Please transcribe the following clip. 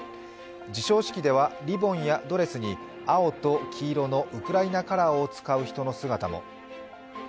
授賞式ではリボンやドレスに青と黄色のウクライナカラーを使う人の姿も。